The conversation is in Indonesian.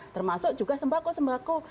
termasuk juga sembako sembako